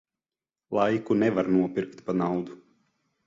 Laiku nevar nopirkt pa naudu.